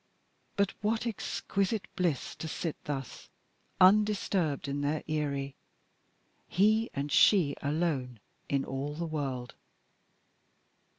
But what exquisite bliss to sit thus, undisturbed in their eyrie he and she alone in all the world.